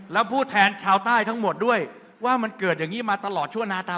แล้วผู้แทนชาวใต้ทั้งหมดด้วยว่ามันเกิดอย่างนี้มาตลอดชั่วนาตา